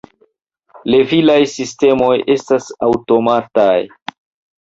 Levilaj sistemoj estas aŭtomataj.